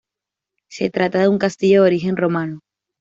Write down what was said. Se trata de un castillo de origen romano.